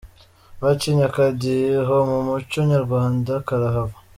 Bacinye akadiho mu muco nyarwanda karahava .